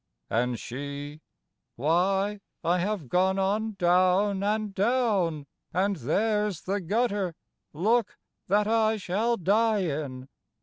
And she—"Why, I have gone on down and down, And there's the gutter, look, that I shall die in!"